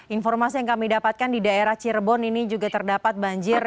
informasi yang kami dapatkan di daerah cirebon ini juga terdapat banjir